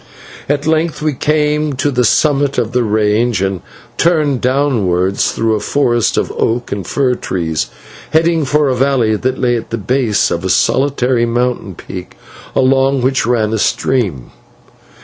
At length we came to the summit of the range, and turned downwards through a forest of oak and fir trees, heading for a valley that lay at the base of a solitary mountain peak, along which ran a stream.